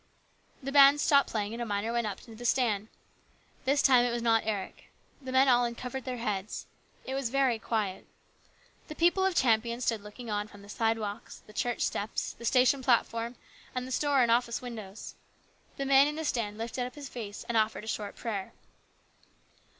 The bands stopped playing, and a miner went up into the stand. This time it was not Eric. The men all uncovered their heads. It was very quiet. The people of Champion stood looking on from the sidewalks, the church steps, the station platform, and the store and office windows. The man in the stand lifted up his face and offered a short prayer.